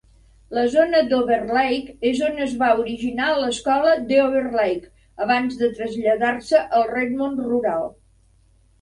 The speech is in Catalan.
La zona d'Overlake és on es va originar l'Escola The Overlake abans de traslladar-se al Redmond rural.